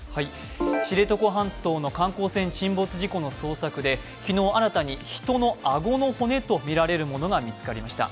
知床半島の観光船沈没事故の捜索で、昨日、新たに人の顎の骨とみられるものが見つかりました。